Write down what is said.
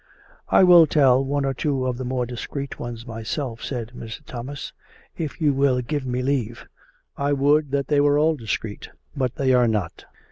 " I will tell one or two of the more discreet ones my self," said Mr, Thomas, " if you will give me leave. I would that they were all discreet, but they are not.